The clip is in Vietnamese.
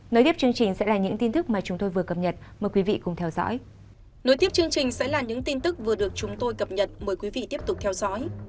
nối tiếp chương trình sẽ là những tin tức vừa được chúng tôi cập nhật mời quý vị tiếp tục theo dõi